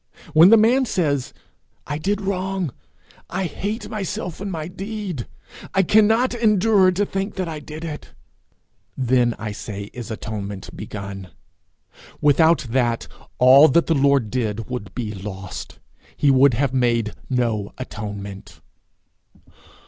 When the man says, 'I did wrong; I hate myself and my deed; I cannot endure to think that I did it!' then, I say, is atonement begun. Without that, all that the Lord did would be lost. He would have made no atonement.